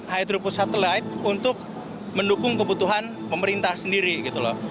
hydro satellite untuk mendukung kebutuhan pemerintah sendiri gitu loh